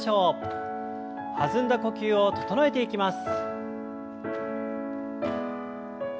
弾んだ呼吸を整えていきます。